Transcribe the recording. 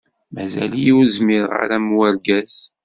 Mazal-iyi ur zmireɣ ara am urgaz.